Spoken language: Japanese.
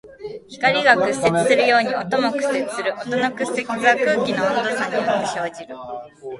光が屈折するように音も屈折する。音の屈折は空気の温度差によって生じる。